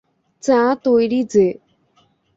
চা তৈরি যে।